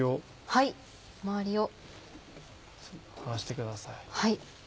はい。